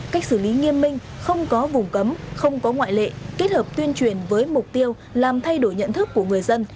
cách xử lý nghiêm minh không có vùng cấm không có ngoại lệ kết hợp tuyên truyền với mục tiêu làm thay đổi nhận thức của người dân